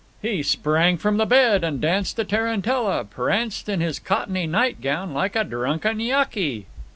He sprang from the bed and danced a tarantella, pranced in his cottony nightgown like a drunken Yaqui.